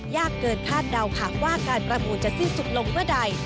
ยากเกินคาดเดาหากว่าการประมูลจะสิ้นสุดลงเมื่อใด